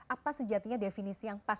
apa sejatinya definisi yang pas